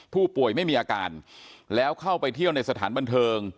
ผู้ป่วยไม่มีอาการแล้วเข้าไปเที่ยวในสถานบันเทิง